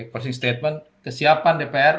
personal statement kesiapan dpr